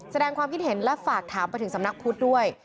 แสดงความคิดเห็นและฝากถามไปถึงสำนักพุทธด้วย